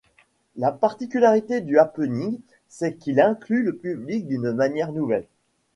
La particularité du Happening c'est qu'il inclue le public d'une manière nouvelle.